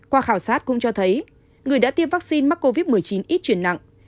qua khảo sát cũng cho thấy người đã tiêm vaccine mắc covid một mươi chín ít chuyển nặng